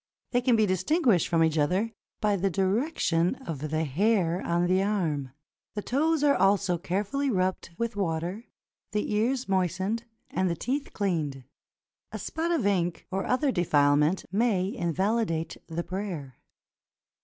They can be distinguished from each other by the direction of the hair on the arm. The toes are also carefully rubbed with water, the ears moistened, and the teeth cleaned. A spot of ink, or other defilement, may invalidate the prayer.